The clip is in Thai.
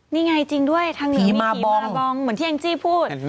นี่ไงจริงด้วยทางหนีมีกี่บาราบองเหมือนที่แองจี้พูด